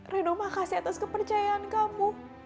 reno makasih atas kepercayaan kamu